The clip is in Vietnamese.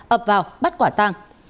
ấp vào bắt quả tăng